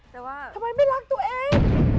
ทำไมไม่รักตัวเอง